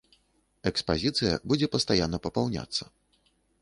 Экспазіцыя будзе пастаянна папаўняцца.